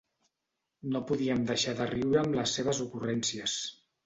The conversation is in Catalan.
No podíem deixar de riure amb les seves ocurrències.